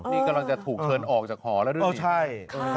นี่กำลังจะถูกเชิญออกจากหอแล้วด้วยใช่